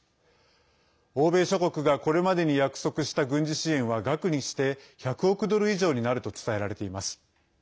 欧米諸国がこれまでに約束した軍事支援は額にして１００億ドル以上になると伝えられています。